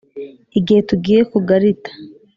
igihe tugiye kugarita